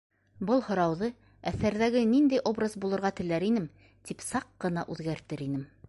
Был һорауҙы, әҫәрҙәге ниндәй образ булырға теләр инем, тип саҡ ҡына үҙгәртер инем.